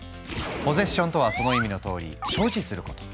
ポゼッションとはその意味のとおり所持すること。